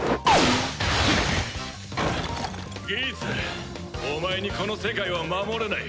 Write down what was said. ギーツお前にこの世界は守れない。